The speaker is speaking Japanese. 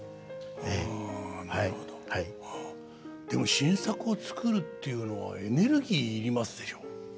でも新作を作るっていうのはエネルギーいりますでしょ？